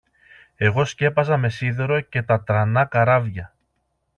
εγώ σκέπαζα με σίδερο και τα τρανά καράβια